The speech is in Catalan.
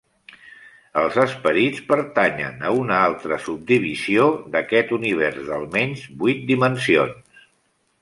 Els esperits pertanyen a una altra subdivisió d'aquest univers d'almenys vuit dimensions.